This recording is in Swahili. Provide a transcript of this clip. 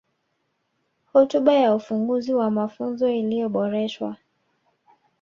Hotuba ya Ufunguzi wa Mafunzo iliyoboreshwa